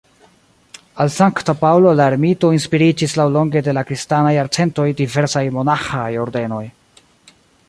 Al Sankta Paŭlo la Ermito inspiriĝis laŭlonge de la kristanaj jarcentoj diversaj monaĥaj ordenoj.